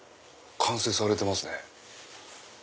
完成されてますね。